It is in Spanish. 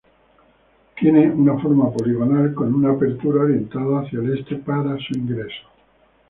Tiene una forma poligonal, con una apertura orientada hacia el este para su ingreso.